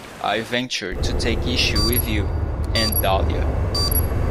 I venture to take issue with you, Aunt Dahlia.